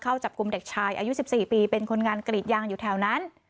เข้าจับกลุ่มเด็กชายอายุ๑๔ปีเป็นคนงานกรีดยางอยู่แถวนั้น